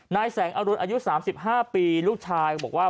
นายแสงอรุณอายุ๓๕ปีลูกชายก็บอกว่า